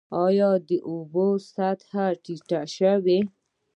آیا د اوبو سطحه ټیټه شوې؟